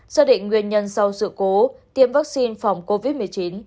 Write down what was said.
xác định nguyên nhân sau sự cố tiêm vaccine phòng covid một mươi chín